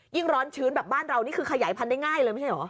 ร้อนชื้นแบบบ้านเรานี่คือขยายพันธุ์ได้ง่ายเลยไม่ใช่เหรอ